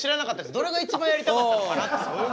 どれが一番やりたかったのかなって。